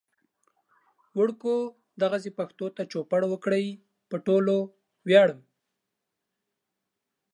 وړکو دغسې پښتو ته چوپړ وکړئ. پو ټولو وياړم